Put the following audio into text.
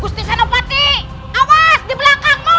gusti senopati awas di belakangmu